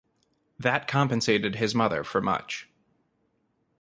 That compensated his mother for much.